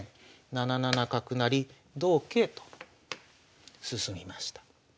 ７七角成同桂と進みました。